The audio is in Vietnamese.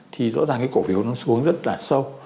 thì rõ ràng cái cổ phiếu nó xuống rất là sâu